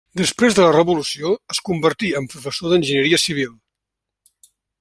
Després de la revolució, es convertí en professor d'enginyeria civil.